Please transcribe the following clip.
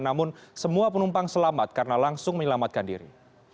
namun semua penumpang selamat karena langsung menyelamatkan diri